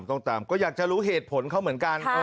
ต้องตามก็อยากจะรู้เหตุผลเขาเหมือนกัน